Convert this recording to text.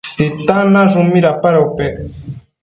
¿Titan nashun midapadopec?